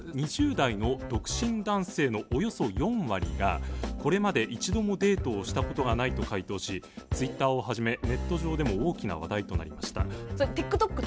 ２０代の独身男性のおよそ４割がこれまで一度もデートをしたことがないと回答しＴｗｉｔｔｅｒをはじめネット上でも大きな話題となりました。